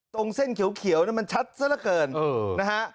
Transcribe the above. เส้นเขียวมันชัดซะละเกินนะฮะ